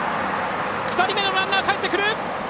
２人目のランナーかえってくる！